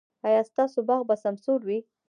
ایا ستاسو باغ به سمسور وي؟